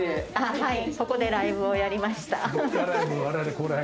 はいここでライブをやりました。